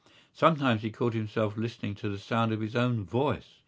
Sometimes he caught himself listening to the sound of his own voice.